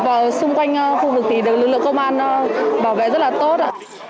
và xung quanh khu vực thì được lực lượng công an bảo vệ rất là tốt ạ